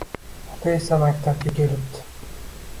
Ota esa maktabga kelibdi.